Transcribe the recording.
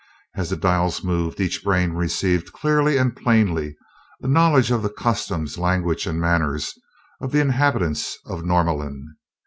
As the dials moved, each brain received clearly and plainly a knowledge of the customs, language, and manners of the inhabitants of Norlamin.